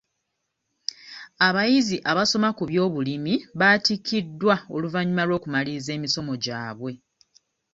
Abayizi abasoma ku by'obulimi baatikkiddwa oluvannyuma lw'okumaliriza emisomo gyabwe.